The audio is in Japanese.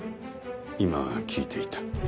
今聞いていた。